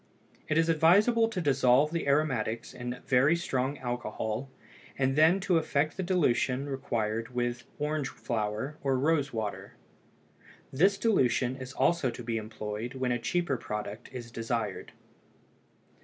It is advisable to dissolve the aromatics in very strong alcohol and then to effect the dilution required with orange flower or rose water. This dilution is also to be employed when a cheaper product is desired.